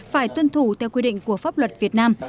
phải tuân thủ theo quy định của pháp luật việt nam